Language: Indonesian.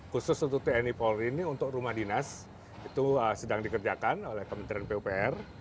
khusus untuk tni polri ini untuk rumah dinas itu sedang dikerjakan oleh kementerian pupr